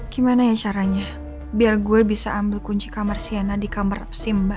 gimana ya caranya biar gue bisa ambil kunci kamar siana di kamar sim mbak